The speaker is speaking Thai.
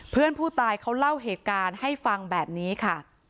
เพื่อนผู้ตายเขาเล่าเหตุการณ์ให้ฟังแบบนี้ค่ะ